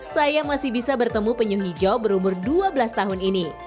saya masih bisa bertemu penyu hijau berumur dua tahun